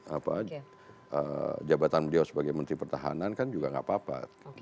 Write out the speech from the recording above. apa jabatan beliau sebagai menteri pertahanan kan juga gak apa apa